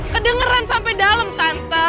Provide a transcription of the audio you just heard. kedengeran sampai dalem tante